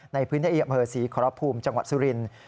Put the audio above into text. ในพื้นที่อำเภอศรีขอรภูมิจังหวัดสุรินทร์